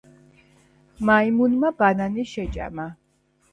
მაიმუნმა ბანანი შეჭამა